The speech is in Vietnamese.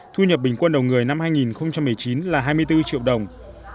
thu nhập bình quân đầu người năm hai nghìn một mươi chín là hai mươi bốn triệu đồng